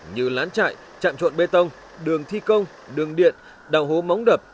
như lán trại chạm trộn bê tông đường thi công đường điện đào hố móng đập